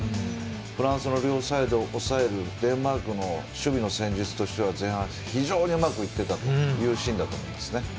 フランスの両サイドを抑えるデンマークの守備の戦術としては前半、非常にうまくいってたというシーンだと思います。